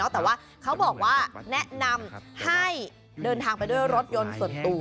แต่ว่าเขาบอกว่าแนะนำให้เดินทางไปด้วยรถยนต์ส่วนตัว